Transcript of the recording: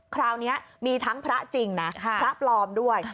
คราวนี้มีทั้งพระจริงนะพระปลอมด้วย